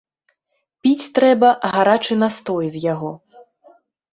Піць трэба гарачы настой з яго.